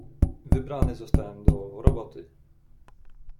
"Wybrany zostałem do „roboty“."